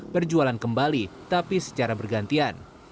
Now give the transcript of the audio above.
berjualan kembali tapi secara bergantian